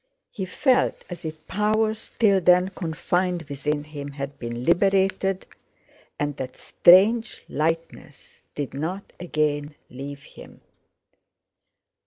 He felt as if powers till then confined within him had been liberated, and that strange lightness did not again leave him.